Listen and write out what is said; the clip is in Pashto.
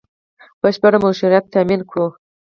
بشپړ مشروعیت تامین کړو